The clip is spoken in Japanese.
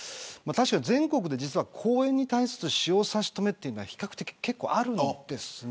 全国で公園に対する使用差し止めというのは比較的あるんですね。